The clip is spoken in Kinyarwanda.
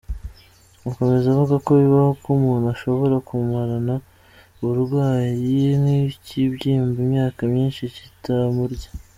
Akomeza avuga ko bibaho ko umuntu ashobora kumarana uburwayi nk’ ikibyimba imyaka myinshi kitamurya.